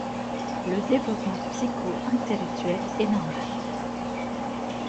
Le développement psycho-intellectuel est normal.